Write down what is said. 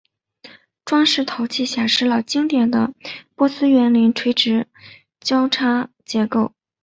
装饰陶器显示了经典的波斯园林垂直交叉式结构。